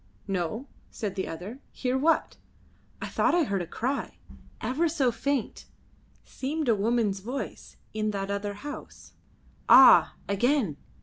"No!" said the other. "Hear what?" "I thought I heard a cry. Ever so faint. Seemed a woman's voice. In that other house. Ah! Again!